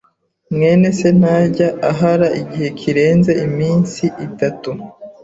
mwene se ntajya ahara igihe kirenze iminsi itatu.